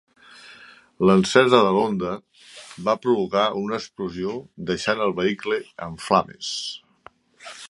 L'encesa de l'Honda va provocar una explosió, deixant el vehicle en flames.